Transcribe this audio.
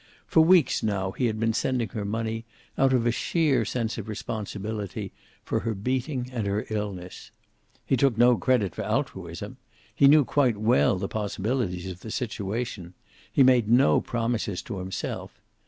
For weeks now he had been sending her money, out of a sheer sense of responsibility for her beating and her illness. He took no credit for altruism. He knew quite well the possibilities of the situation. He made no promises to himself.